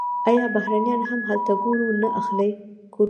آیا بهرنیان هم هلته کورونه نه اخلي؟